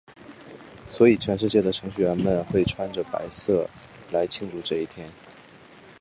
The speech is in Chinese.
所以全世界的程序员们会穿着白色来庆祝这一天。